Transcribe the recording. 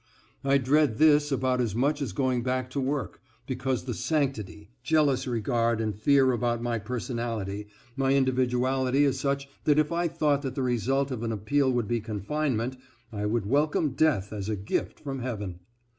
I dread this about as much as going back to work, because the sanctity, jealous regard and fear about my personality, my individuality is such that if I thought that the result of an appeal would be confinement, I would welcome death as a gift from heaven.